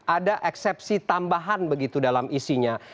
ada eksepsi tambahan begitu dalam isinya